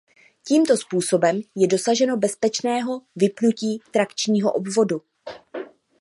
Tímto způsobem je dosaženo bezpečného vypnutí trakčního obvodu.